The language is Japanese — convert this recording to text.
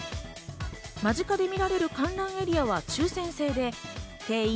間近で見られる観覧エリアは抽選制で定員